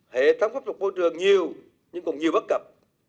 hệ thống pháp luật môi trường nhiều nhưng còn nhiều bất cập